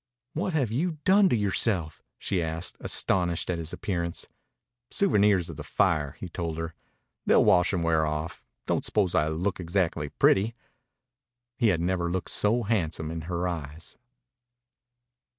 "What have you done to yourself?" she asked, astonished at his appearance. "Souvenirs of the fire," he told her. "They'll wash and wear off. Don't suppose I look exactly pretty." He had never looked so handsome in her eyes.